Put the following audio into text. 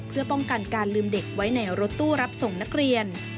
เพื่อป้องกันการลืมเด็กไว้ในรถตู้รับส่งนักเรียน